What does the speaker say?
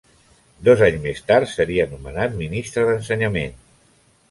Dos anys més tard seria nomenat Ministre d'Ensenyament.